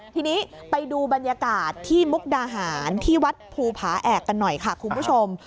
ทีนี้ไปดูบรรยากาศที่มุกดาหารที่วัดภูผาแอกกันหน่อยค่ะคุณผู้ชม